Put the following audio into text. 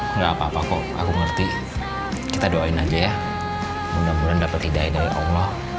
enggak apa apa kok aku ngerti kita doain aja ya mudah mudahan dapat hidayah dari allah